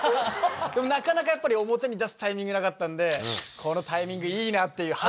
なかなか表に出すタイミングなかったんでこのタイミングいいなっていう。